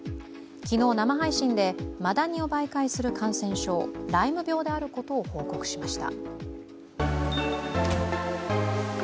昨日、生配信でマダニを媒介する感染症、ライム病であることを報告しました。